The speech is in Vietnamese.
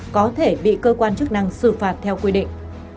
có thể bị cơ quan chức năng xử phạt theo quy định